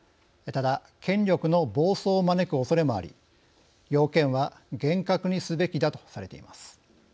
ただ、権力の暴走を招くおそれもあり要件は厳格にすべきだとされています。